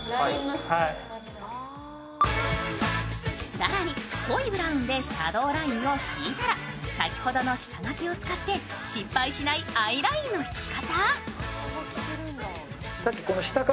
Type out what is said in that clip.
更に濃いブラウンでシャドウラインを引いたら先ほどの下書きを使って、失敗しないアイラインの引き方。